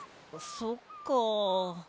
そっかあ。